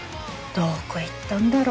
どこ行ったんだろ。